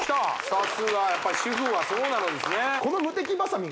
さすがやっぱり主婦はそうなるんですね